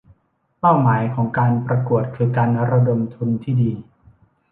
เป้าหมายของการประกวดคือการระดมทุนที่ดี